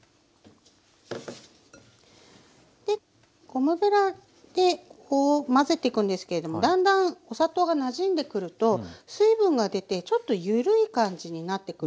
ゴムべらでこう混ぜてくんですけれどもだんだんお砂糖がなじんでくると水分が出てちょっと緩い感じになってくるんですね。